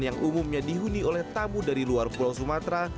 yang umumnya dihuni oleh tamu dari luar pulau sumatera